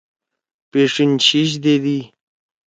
پیݜیِن شیِش دیدی۔